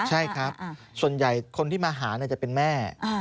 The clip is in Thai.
ใช่ครับส่วนใหญ่คนที่มาหาจะเป็นแม่